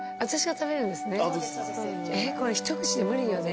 えっこれ一口で無理よね。